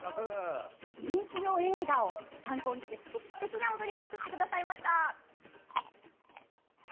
人気の映画を参考にしてすてきな踊りを作ってくださいました。